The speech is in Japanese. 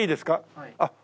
はい。